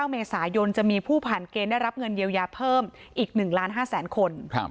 เมษายนจะมีผู้ผ่านเกณฑ์ได้รับเงินเยียวยาเพิ่มอีก๑ล้าน๕แสนคน